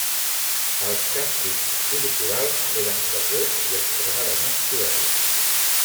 Els càstigs corporals eren freqüents i extremadament cruels.